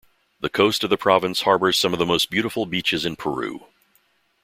The coast of the province harbors some of the most beautiful beaches in Peru.